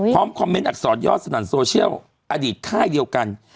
คอมเมนต์อักษรยอดสนั่นโซเชียลอดีตค่ายเดียวกัน